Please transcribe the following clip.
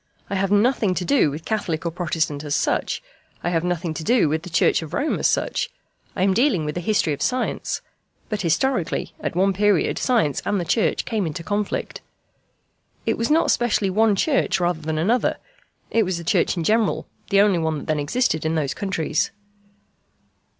I have nothing to do with Catholic or Protestant as such. I have nothing to do with the Church of Rome as such. I am dealing with the history of science. But historically at one period science and the Church came into conflict. It was not specially one Church rather than another it was the Church in general, the only one that then existed in those countries.